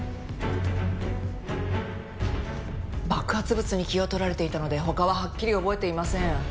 爆発物に気を取られていたので他ははっきり覚えていません。